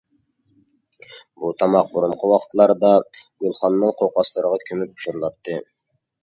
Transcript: بۇ تاماق بۇرۇنقى ۋاقىتلاردا گۈلخاننىڭ قوقاسلىرىغا كۆمۈپ پىشۇرۇلاتتى.